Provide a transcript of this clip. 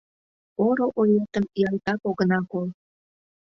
Поро оетым ялтак огына кол.